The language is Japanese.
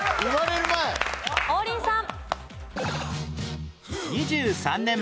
王林さん。